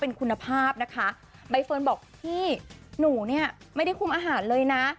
เป็นคุณภาพนะคะใบเฟิร์นบอกพี่หนูเนี่ยไม่ได้คุมอาหารเลยนะ